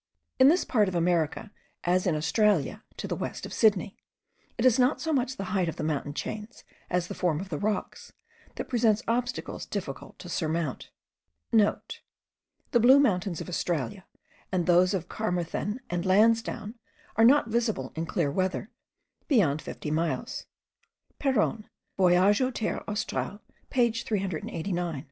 In this part of America, as in Australia* to the west of Sydney, it is not so much the height of the mountain chains, as the form of the rocks, that presents obstacles difficult to surmount. (* The Blue Mountains of Australia, and those of Carmarthen and Lansdowne, are not visible, in clear weather, beyond fifty miles. Peron, Voyage aux Terres Australes page 389.